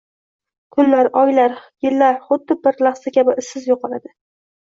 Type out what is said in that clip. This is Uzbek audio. Kunlar, oylar, yillar xuddi bir lahza kabi izsiz yo‘qoladi.